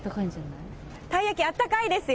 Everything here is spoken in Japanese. たいやき、あったかいですよ。